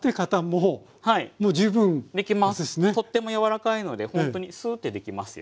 とっても柔らかいのでほんとにスーッてできますよ。